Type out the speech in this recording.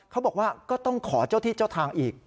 เขาบอกว่าก็ต้องขอเจ้าที่เจ้าทางอีก